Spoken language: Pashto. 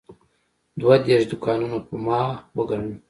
دوه دېرش دوکانونه خو ما وګڼل.